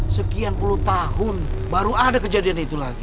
sekian puluh tahun baru ada kejadian itu lagi